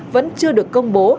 vẫn chưa được công bố